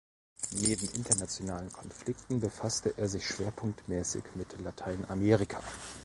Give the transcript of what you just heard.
Neben internationalen Konflikten befasste er sich schwerpunktmäßig mit Lateinamerika.